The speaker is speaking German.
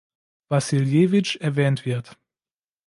Wassiljewitsch erwähnt wird.